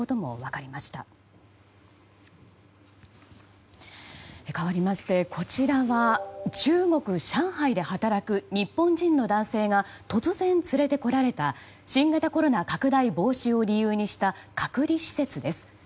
かわりまして、こちらは中国・上海で働く日本人の男性が突然連れてこられた新型コロナ拡大防止を理由にした隔離施設です。